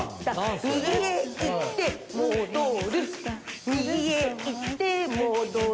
右へ行って戻る右へ行って戻る。